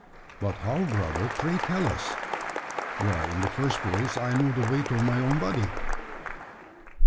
"But how, brother? Pray, tell us!" "Why, in the first place, I know the weight of my own body."